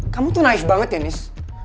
kamu tuh naif banget yanis